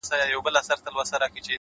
سیاه پوسي ده قندهار نه دی